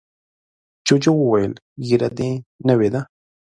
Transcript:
جوجو وویل ږیره دې نوې ده.